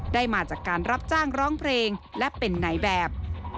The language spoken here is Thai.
ได้มาจากการรับจ้างร้องเพลงและเป็นนายแบบ